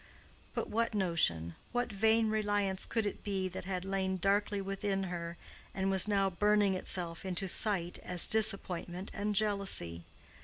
But what notion, what vain reliance could it be that had lain darkly within her and was now burning itself into sight as disappointment and jealousy?